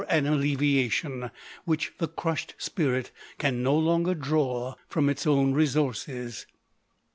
an alleviation, which the crushed spirit can no longer draw from its own resources.